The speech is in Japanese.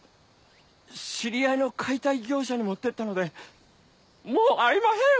知り合いの解体業者に持ってったのでもうありまふぇん！